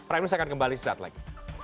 raihman saya akan kembali sekejap lagi